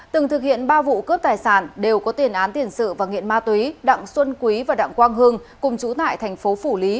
từng thực hiện ba vụ cướp tài sản đều có tiền án tiền sự và nghiện ma túy đặng xuân quý và đặng quang hưng cùng chú tại thành phố phủ lý